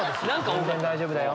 全然大丈夫だよ！